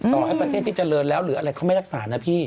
ต่อให้ประเทศที่เจริญแล้วหรืออะไรเขาไม่รักษานะพี่